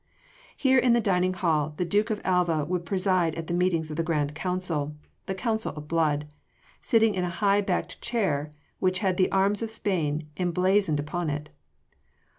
Here in the dining hall the Duke of Alva would preside at the meetings of the Grand Council the Council of Blood sitting in a high backed chair which had the arms of Spain emblazoned upon it.